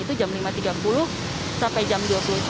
itu jam lima tiga puluh sampai jam dua puluh satu